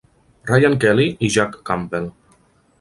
Ryan Kelly i Jack Campbell.